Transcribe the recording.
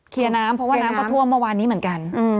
น้ำเพราะว่าน้ำก็ท่วมเมื่อวานนี้เหมือนกัน